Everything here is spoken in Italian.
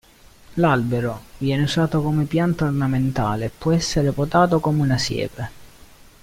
L'albero viene usato come pianta ornamentale e può essere potato come una siepe.